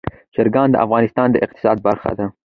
چرګان د افغانستان د اقتصاد برخه ده.